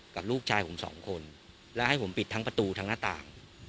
กับลูกชายผมสองคนแล้วให้ผมปิดทั้งประตูทั้งหน้าต่าง